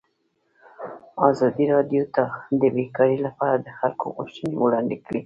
ازادي راډیو د بیکاري لپاره د خلکو غوښتنې وړاندې کړي.